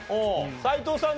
斎藤さん